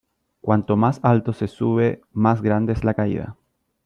Cuanto más alto se sube más grande es la caída.